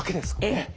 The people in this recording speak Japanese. ええ。